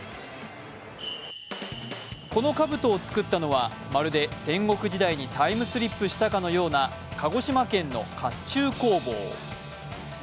このかぶとを作ったのは、まるで戦国時代にタイムスリップしたかのような鹿児島県のかっちゅう工房。